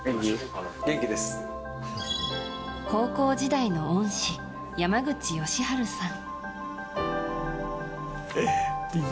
高校時代の恩師山口良治さん。